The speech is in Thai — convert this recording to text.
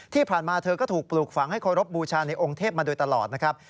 ที่ผ่านมาเธอก็ถูกปลูกฝังให้เคารพบูชาในองค์เทพมาโดยตลอดนะครับ